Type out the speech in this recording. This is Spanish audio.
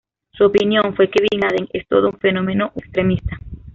Su opinión fue que bin Laden es "todo un fenómeno, un extremista".